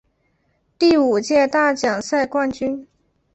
第五届大奖赛冠军。